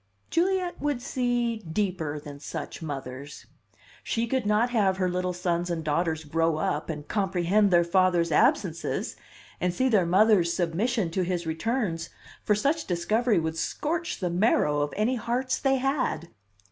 "Juliet would see deeper than such mothers. She could not have her little sons and daughters grow up and comprehend their father's absences, and see their mother's submission to his returns for such discovery would scorch the marrow of any hearts they had."